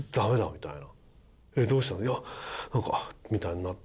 みたいな。